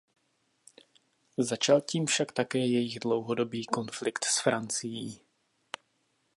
Začal tím však také jejich dlouhodobý konflikt s Francií.